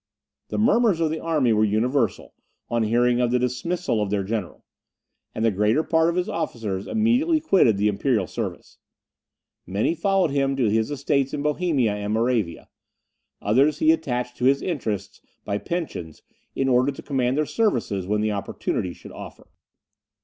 The murmurs of the army were universal, on hearing of the dismissal of their general; and the greater part of his officers immediately quitted the imperial service. Many followed him to his estates in Bohemia and Moravia; others he attached to his interests by pensions, in order to command their services when the opportunity should offer.